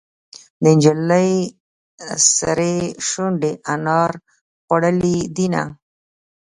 د نجلۍ سرې شونډې انار خوړلې دينهه.